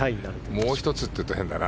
もう１つって言うと変だな。